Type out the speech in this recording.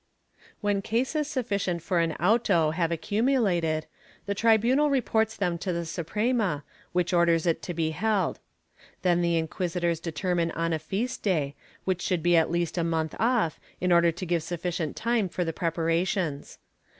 When cases sufficient for an auto have accumulated, the tri bunal reports them to the Suprema, which orders it to be held. Then the inquisitors determine on a feast day, which should be at least a month off, in order to give sufficient time for the prepara tions.